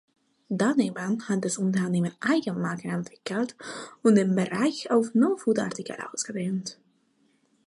Daneben hat das Unternehmen Eigenmarken entwickelt und den Bereich auf Non-Food-Artikel ausgedehnt.